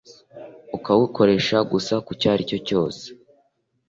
ukawukoresha gusa ku cyo ari cyo cyose